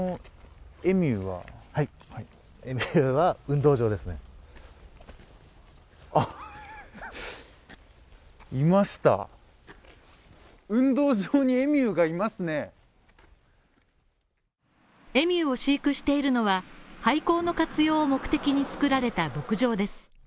訪ねてみるとエミューを飼育しているのは、廃校の活用を目的に作られた牧場です。